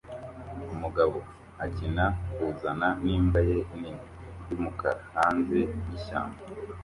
Umugabo akina kuzana n'imbwa ye nini yumukara hanze yishyamba